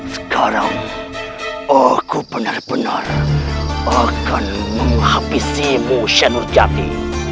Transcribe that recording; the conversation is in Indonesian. sekarang aku benar benar akan menghabisimu shannurjati